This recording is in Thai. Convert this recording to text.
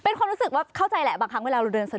เป็นความรู้สึกว่าเข้าใจแหละบางครั้งเวลาเราเดินเสิร์